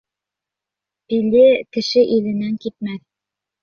Пиле кеше иленән китмәҫ.